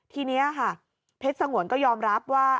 ทีนี้ค่ะเพชรสงวนก็ยอมรับว่า